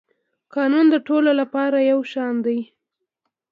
قانون د ټولو لپاره یو شان دی